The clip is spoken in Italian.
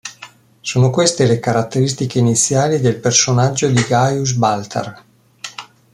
Sono queste le caratteristiche iniziali del personaggio di Gaius Baltar.